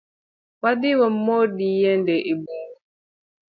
Wadhii wamod yiende e bung’u